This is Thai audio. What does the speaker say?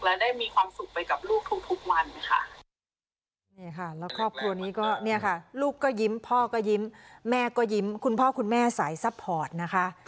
และได้มีความสุขไปกับลูกทุกวัน